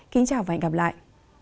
kính chào và hẹn gặp lại